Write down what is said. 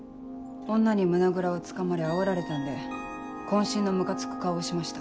女に胸ぐらをつかまれあおられたんで渾身のムカつく顔をしました。